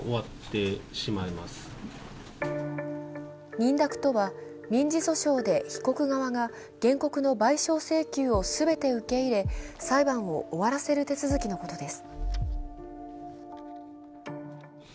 認諾とは民事訴訟で被告側がが原告の賠償請求を全て受け入れ裁判を終わらせる手続きのことです。